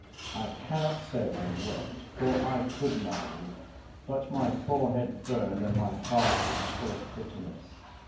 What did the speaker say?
I cannot say I wept, for I could not weep; but my forehead burned, and my heart was full of bitterness.